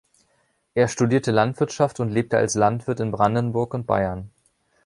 Er studierte Landwirtschaft und lebte als Landwirt in Brandenburg und Bayern.